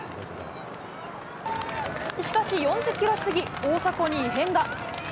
しかし４０キロ過ぎ、大迫に異変が。